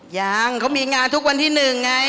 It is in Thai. ยังเขามีงานทุกวันที่๑ไง